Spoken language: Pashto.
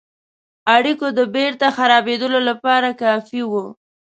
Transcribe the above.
اړېکو د بیرته خرابېدلو لپاره کافي وه.